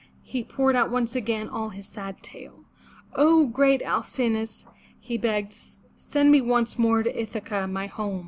He poured out once again all his sad tale. *'0 great Al cin'o us," he begged, send me once more to Ithaca, my home!''